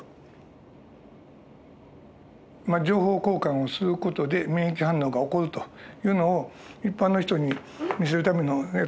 情報交換をする事で免疫反応が起こるというのを一般の人に見せるためのやつ。